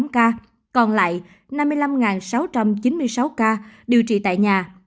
một một trăm sáu mươi tám ca còn lại năm mươi năm sáu trăm chín mươi sáu ca điều trị tại nhà